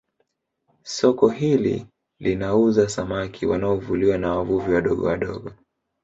Soko hili linauza samaki wanaovuliwa na wavuvi wadogo wadogo